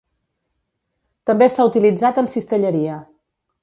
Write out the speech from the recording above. També s'ha utilitzat en cistelleria.